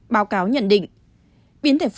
báo cáo nhận định